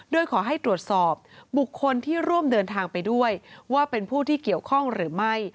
โดยขอให้ตรวจสอบบุคคลที่ร่วมเดินทางไปด้วยว่าเป็นผู้ที่เกี่ยวข้องหรือไม่